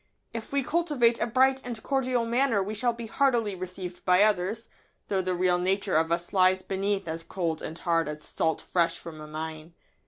If we cultivate a bright and cordial manner we shall be heartily received by others, though the real nature of us lies beneath as cold and hard as salt fresh from a mine.